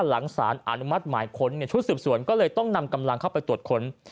หลังสารอนุมัติหมายค้นชุดสืบสวนก็เลยต้องนำกำลังเข้าไปตรวจค้น